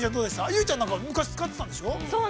結実ちゃんなんかは、昔使ってたんでしょう。